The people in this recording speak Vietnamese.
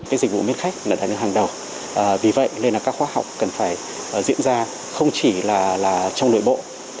cái dịch vụ miết khách là nên hàng đầu vì vậy nên là các khóa học cần phải diễn ra không chỉ là trong nội bộ